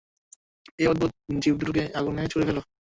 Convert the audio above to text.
এই অদ্ভুত জীবদুটোকে আগুনে ছুঁড়ে ফেলো!